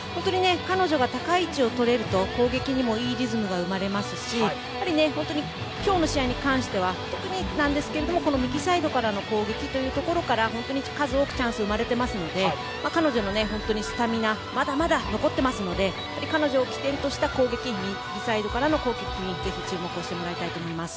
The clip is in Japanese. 彼女が高い位置をとれると攻撃にもいいリズムが生まれますし今日の試合に関しては特に右サイドからの攻撃から本当に数多くチャンスが生まれていますので彼女のスタミナはまだまだ残っていますので彼女を起点とした右サイドからの攻撃にぜひ注目してもらいたいと思います。